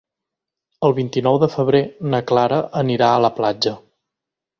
El vint-i-nou de febrer na Clara anirà a la platja.